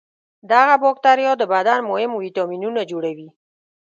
دغه بکتریا د بدن مهم ویتامینونه جوړوي.